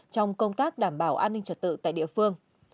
trong công tác đảm bảo an ninh trật tự tại địa phương